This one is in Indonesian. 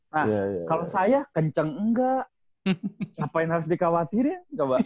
nah kalo saya kenceng enggak apain harus dikhawatirin